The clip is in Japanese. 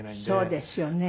そうですよね。